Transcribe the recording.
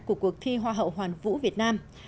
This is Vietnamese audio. của cuộc thi hoa hậu hoàn vũ việt nam